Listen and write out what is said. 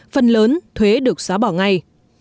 phần lớn thuế được xóa bỏ ngay